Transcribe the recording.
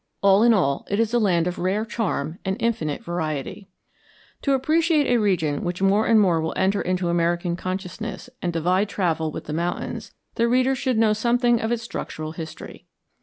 All in all, it is a land of rare charm and infinite variety. To appreciate a region which more and more will enter into American consciousness and divide travel with the mountains, the reader should know something of its structural history.